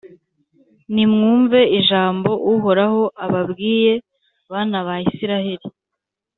Nimwumve ijambo Uhoraho ababwiye, bana ba Israheli